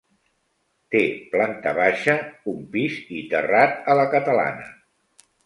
Té planta baixa, un pis i terrat a la catalana.